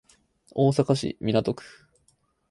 大阪市港区